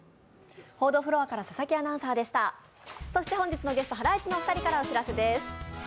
本日のゲスト・ハライチのお二人からお知らせです。